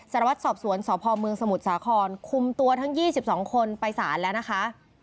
สารวัตรสอบสวนสพเมืองสมุทรสาครคุมตัวทั้ง๒๒คนไปสารแล้วนะคะ